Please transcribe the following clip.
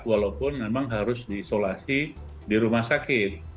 walaupun memang harus diisolasi di rumah sakit